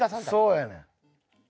そうやねん。